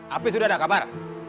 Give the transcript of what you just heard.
api sudah ada kabar